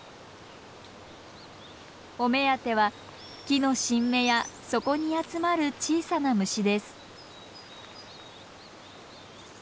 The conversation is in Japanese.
お目当ては木の新芽やそこに集まる小さな虫です。